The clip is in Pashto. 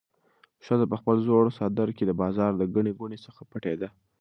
ښځه په خپل زوړ څادر کې د بازار د ګڼې ګوڼې څخه پټېده.